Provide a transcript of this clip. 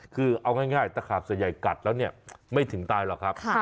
คือเอาง่ายง่ายตะขาบสะใยกัดแล้วเนี้ยไม่ถึงตายหรอกครับค่ะ